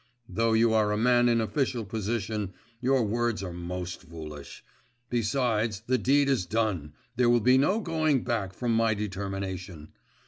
Though you are a man in official position, your words are most foolish. Besides, the deed is done, there will be no going back from my determination.